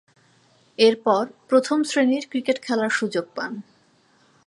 এরপর, প্রথম-শ্রেণীর ক্রিকেট খেলার সুযোগ পান।